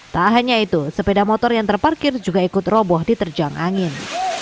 tak hanya itu sepeda motor yang terparkir juga ikut roboh diterjang angin